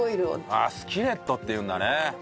ああスキレットっていうんだね。